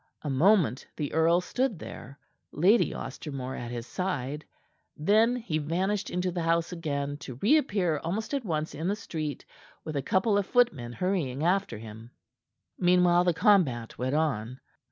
A moment the earl stood there, Lady Ostermore at his side; then he vanished into the house again, to reappear almost at once in the street, with a couple of footmen hurrying after him. Meanwhile the combat went on.